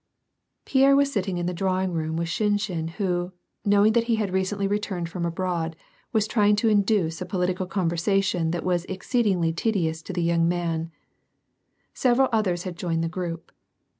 Pierre was sitting in the drawing room with Shinshin who, knowing that he had recently returned from abroad, was try ing to induce a political conversation that was exceedingly tedious to the yonng man; several others had joined the group.